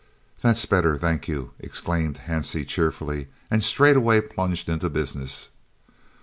"That's better, thank you," exclaimed Hansie cheerfully, and straightway plunged into business.